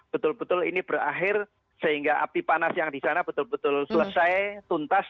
betul betul ini berakhir sehingga api panas yang di sana betul betul selesai tuntas